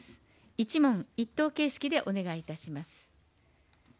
一問一答形式でお願いいたします。